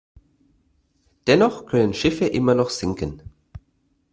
Dennoch können Schiffe immer noch sinken.